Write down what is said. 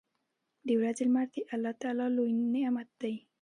• د ورځې لمر د الله لوی نعمت دی.